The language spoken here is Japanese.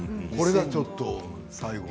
これが最後ちょっと。